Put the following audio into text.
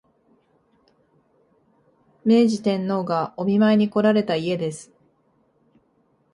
明治天皇がお見舞いにこられた家です